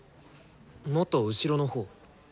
もっと後ろのほう。